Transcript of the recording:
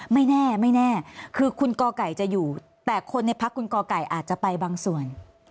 ไม่แน่ไม่แน่คือคุณกไก่จะอยู่แต่คนในพักคุณกไก่อาจจะไปบางส่วน